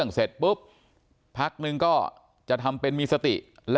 ส่วนนางสุธินนะครับบอกว่าไม่เคยคาดคิดมาก่อนว่าบ้านเนี่ยจะมาถูกภารกิจนะครับ